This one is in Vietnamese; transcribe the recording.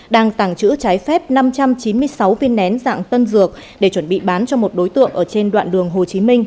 đang tàng trữ trái phép năm trăm chín mươi sáu viên nén dạng tân dược để chuẩn bị bán cho một đối tượng ở trên đoạn đường hồ chí minh